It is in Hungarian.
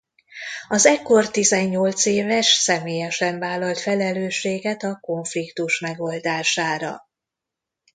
Az ekkor tizennyolc éves személyesen vállalt felelősséget a konfliktus megoldására.